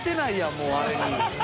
もうあれに